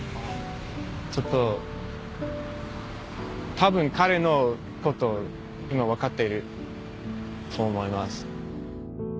ちょっと多分彼のこと今分かっていると思います。